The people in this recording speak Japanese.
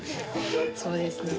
そうですね。